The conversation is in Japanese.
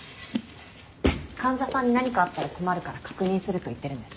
患者さんに何かあったら困るから確認すると言ってるんです。